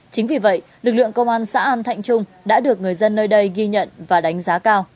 chính vì vậy lực lượng công an xã an thạnh trung đã được người dân nơi đây ghi nhận và đánh giá cao